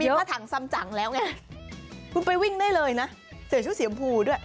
ผ้าถังสำจังแล้วไงคุณไปวิ่งได้เลยนะใส่ชุดสีชมพูด้วย